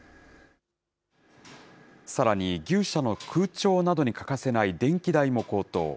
さらに、牛舎には空調などに欠かせない電気代も高騰。